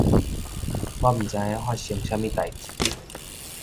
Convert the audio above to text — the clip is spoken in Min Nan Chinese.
我毋知發生啥物代誌